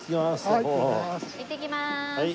いってきます。